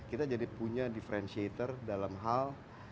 kita jadi punya differentiator dalam hal